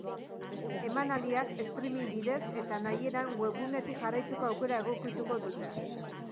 Emanaldiak streaming bidez eta nahieran webgunetik jarraitzeko aukera egokituko dute.